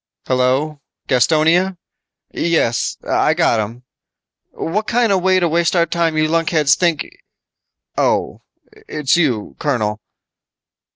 "Hello, Gastonia? Yes, I got 'em. What kinda way to waste our time you lunkheads think ... oh, it's you, colonel!"